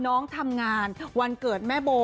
น้องทำงานวันเกิดแม่โบ